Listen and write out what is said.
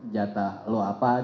jatah lo apa ya